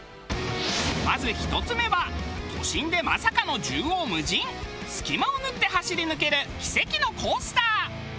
まず１つ目は都心でまさかの縦横無尽隙間を縫って走り抜ける奇跡のコースター。